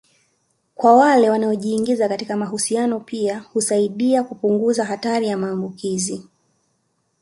kwa wale wanaojiingiza katika mahusiano pia husaidia kupunguza hatari ya maambukizi